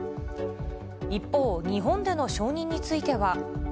一方、日本での承認については。